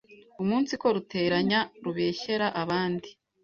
umunsiko ruteranya, rubeshyera abandi